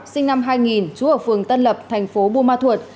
bùi lộc hào sinh năm hai nghìn trú ở phường tân lập thành phố bua ma thuột